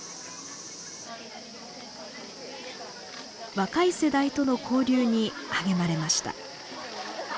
若い世代との交流に励まれました。